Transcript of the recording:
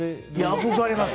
憧れます。